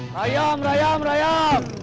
rayam rayam rayam